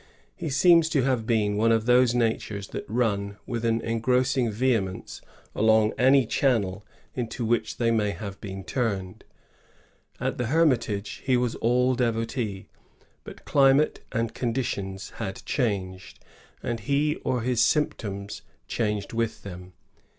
He seems to have been one of those natures that run with an engrossing vehemence along any channel into which they may have been turned. At the Hermitage he was all devotee; but climate and conditions had changed, and he or his symptoms changed with them.